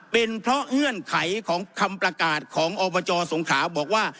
เป็นเพราะเงื่อนไขของคำประกาศของอบจสงขาบอกว่า